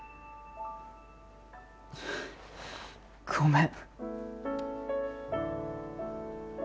ごめん。